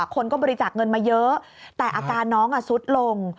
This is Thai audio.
คนก็บริจาคเงินมาเยอะแต่อาการน้องสุดลง